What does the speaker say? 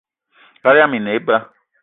Kaal yama i ne eba